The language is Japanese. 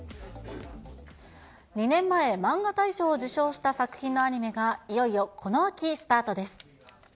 ２年前、マンガ大賞を受賞した作品のアニメが、いよいよこの秋スタートです。